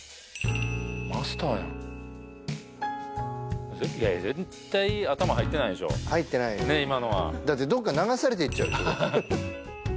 マスターやんいやいや絶対頭入ってないでしょ入ってないよだってどっか流されていっちゃうでしょ